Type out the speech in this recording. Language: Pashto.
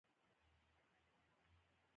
زرمینې خپله مینه تر پلو لاندې پټه کړې ده.